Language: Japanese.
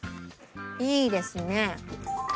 いいですね。